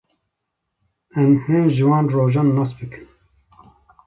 Em hin ji wan rojan nas bikin.